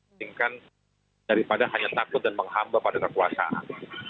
sehingga daripada hanya takut dan menghamba pada kekuasaan